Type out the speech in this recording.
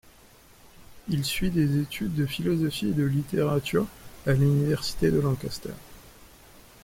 Il suit des études de philosophie et de littérature à l'université de Lancaster.